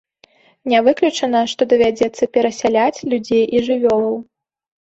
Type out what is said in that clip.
Не выключана, што давядзецца перасяляць людзей і жывёлаў.